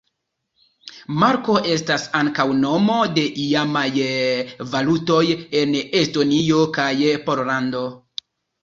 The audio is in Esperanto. Marko estas ankaŭ nomo de iamaj valutoj en Estonio kaj Pollando.